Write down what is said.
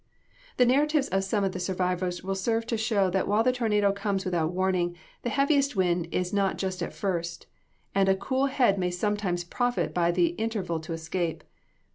The narratives of some of the survivors will serve to show that while the tornado comes without warning, the heaviest wind is not just at first: and a cool head may sometimes profit by the interval to escape.